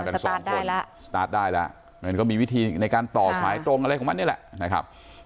สตาร์ทได้แล้วก็มีวิธีในการต่อสายตรงอะไรของมันเนี้ยแหละ